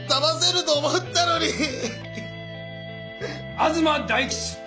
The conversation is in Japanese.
東大吉！